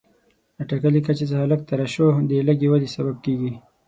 له ټاکلي کچې څخه لږه ترشح د لږې ودې سبب کېږي.